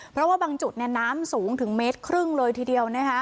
เพราะว่าบางจุดน้ำสูงถึงเมตรครึ่งเลยทีเดียว